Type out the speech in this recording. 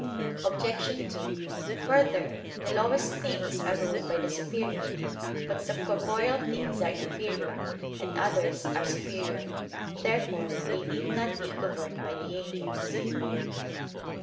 Obj. 2: Further, the lowest things are ruled by the superior. But some corporeal things are inferior, and others are superior. Therefore they need not be governed by the angels.